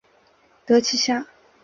得其下